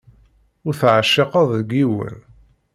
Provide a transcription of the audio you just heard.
Ur teɛciqeḍ deg yiwen.